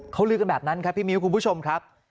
เขาลือกันแบบนั้นครับพี่มิ้วคุณผู้ชมครับ